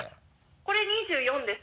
これ２４です。